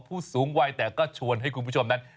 ผู้สูงวัยแต่ก็ชวนให้คุณผู้ชมนั้น